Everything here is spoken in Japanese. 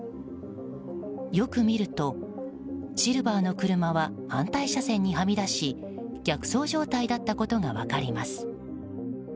よく見ると、シルバーの車は反対車線にはみ出し逆走状態だったことが分かります。